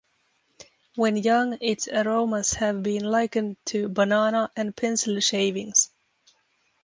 When young its aromas have been likened to banana and pencil shavings.